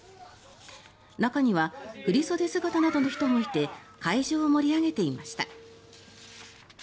中には振り袖姿などの人もいて会場を盛り上げていました。